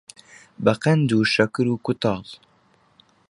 بەقەند و شەکر و کووتاڵ